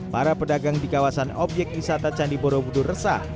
para pedagang di kawasan obyek wisata candi borobudur resah